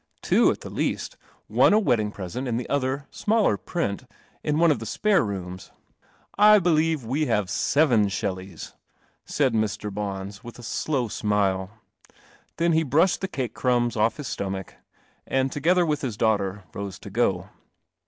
Two at the least. One a wedding present, and the other, smaller print, in one of the spare rooms." " I believe we have seven Shelleys," said Mr. Bons, with a slow smile. Then he brushed the cake crumbs off his stomach, and, together with his daughter, rose to go.